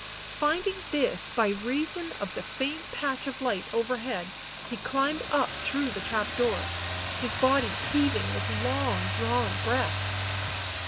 Finding this by reason of the faint patch of light overhead, he climbed up through the trap door, his body heaving with long drawn breaths.